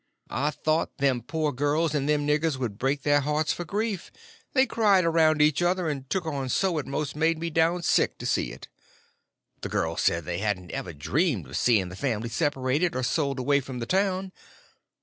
I thought them poor girls and them niggers would break their hearts for grief; they cried around each other, and took on so it most made me down sick to see it. The girls said they hadn't ever dreamed of seeing the family separated or sold away from the town.